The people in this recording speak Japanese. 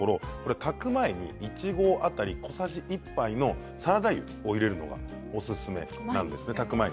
炊く前に１合当たり小さじ１杯のサラダ油を入れるのがおすすめなんです。